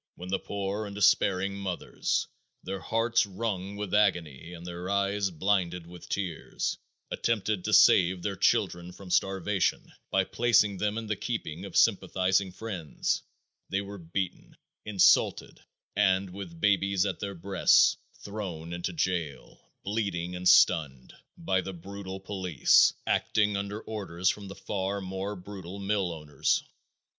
When the poor and despairing mothers, their hearts wrung with agony and their eyes blinded with tears, attempted to save their children from starvation by placing them in the keeping of sympathizing friends, they were beaten, insulted, and with babies at their breasts thrown into jail, bleeding and stunned, by the brutal police acting under orders from the far more brutal mill owners.